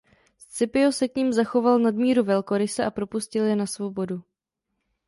Scipio se k nim zachoval nadmíru velkoryse a propustil je na svobodu.